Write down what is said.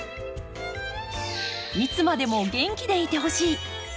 いつまでも元気でいてほしい。